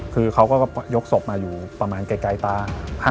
คือเขาก็ยกศพมาอยู่ประมาณไกลตา